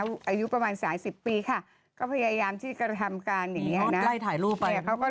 อายุประมาณ๓๐ปีค่ะก็พยายามที่กระทำการอย่างนี้นะ